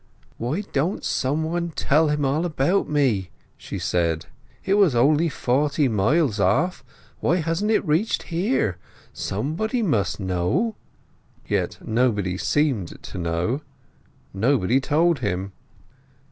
"Why don't somebody tell him all about me?" she said. "It was only forty miles off—why hasn't it reached here? Somebody must know!" Yet nobody seemed to know; nobody told him.